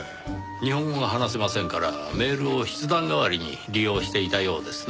日本語が話せませんからメールを筆談代わりに利用していたようですねぇ。